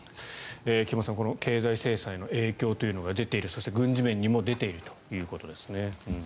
菊間さん、経済制裁の影響というのが出ているそして軍事面にも出ているということです。